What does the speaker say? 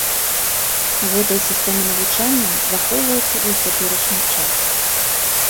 Гэтая сістэма навучання захоўваецца і ў цяперашні час.